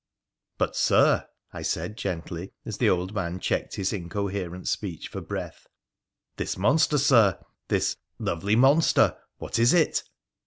But, Sir,' I said gently, as the old man checked his incoherent speech for breath —' this monster, Sir, this " lovely monster," what is it